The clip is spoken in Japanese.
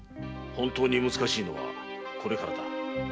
本当に難しいのはこれからだ。